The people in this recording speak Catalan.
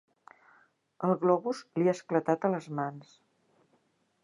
El globus li ha esclatat a les mans.